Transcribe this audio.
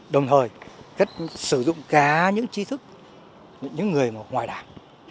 đồng thời sử dụng cả những chi thức những người ngoài đảng